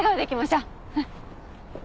うん。